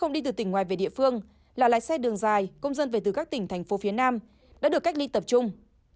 đi từ tỉnh ngoài về địa phương là lái xe đường dài công dân về từ các tỉnh thành phố phía nam đã được cách ly tập trung